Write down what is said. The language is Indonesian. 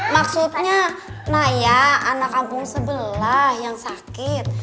maksudnya naya anak kampung sebelah yang sakit